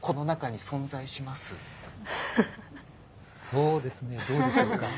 そうですねどうでしょうか？